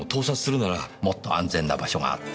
もっと安全な場所があった。